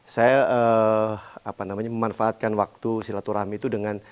saya apa namanya memanfaatkan waktu silaturahmi itu dengan